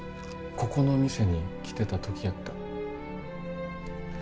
ここの店に来てた時やった。